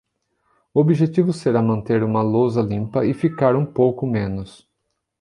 O objetivo será manter uma lousa limpa e ficar um pouco menos.